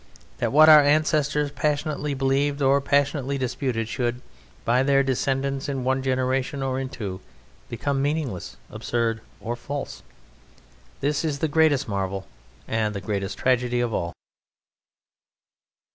That what our ancestors passionately believed or passionately disputed should, by their descendants in one generation or in two, become meaningless, absurd, or false this is the greatest marvel and the greatest tragedy of all.